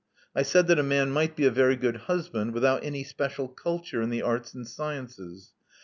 I said that a man might be a very good husband without any special culture in the arts and sciences.